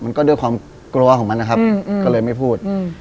ด้วยความกลัวของมันนะครับก็เลยไม่พูด